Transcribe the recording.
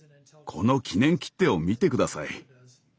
この記念切手を見て下さい。